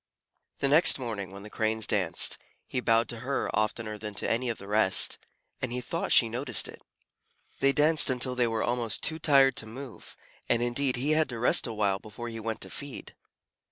The next morning, when the Cranes danced, he bowed to her oftener than to any of the rest, and he thought she noticed it. They danced until they were almost too tired to move, and indeed he had to rest for a while before he went to feed.